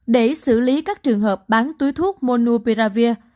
để xử lý các trường hợp bán túi thuốc monuperavir